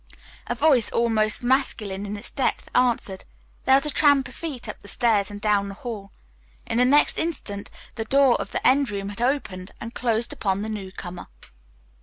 A voice almost masculine in its depth answered. There was a tramp of feet up the stairs and down the hall. In the next instant the door of the end room had opened and closed upon the newcomer.